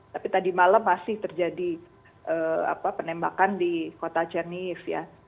tapi tadi malam masih terjadi penembakan di kota chennif ya